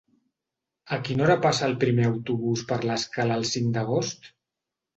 A quina hora passa el primer autobús per l'Escala el cinc d'agost?